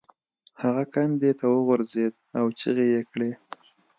هغه کندې ته وغورځید او چیغې یې کړې.